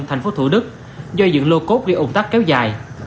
tp thủ đức do dựng lô cốt bị ủng tắc kéo dài